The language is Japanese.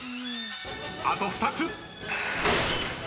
［あと２つ！］